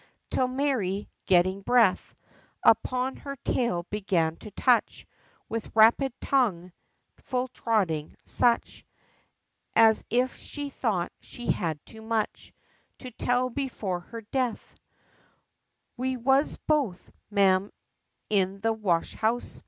Till Mary, getting breath, Upon her tale began to touch With rapid tongue, full trotting, such As if she thought she had too much To tell before her death: "We was both, Ma'am, in the wash house.